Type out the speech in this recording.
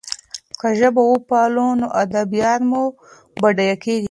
که ژبه وپالو نو ادبیات مو بډایه کېږي.